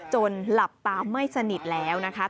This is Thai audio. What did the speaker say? หลับตาไม่สนิทแล้วนะคะ